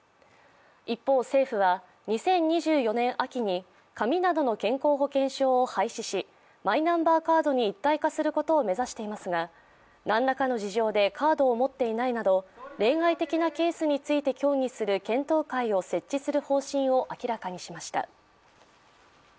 一方、政府は２０２４年秋に紙などの健康保険証を廃止しマイナンバーカードに一体化することを目指していますが、何らかの事情でカードを持っていないなど例外的なケースについて協議する検討会を設置する方針を明らかにしました。